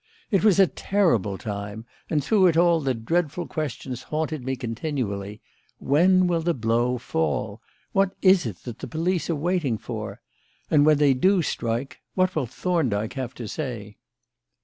It was a terrible time; and through it all the dreadful questions haunted me continually: When will the blow fall? What is it that the police are waiting for? And when they do strike, what will Thorndyke have to say?